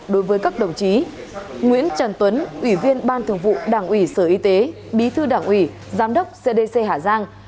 đối với các đồng chí nguyễn trần tuấn ủy viên ban thường vụ đảng ủy sở y tế bí thư đảng ủy giám đốc cdc hà giang